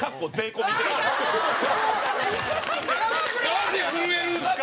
なんで震えるんですか！